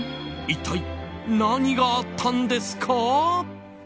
一体、何があったんですか？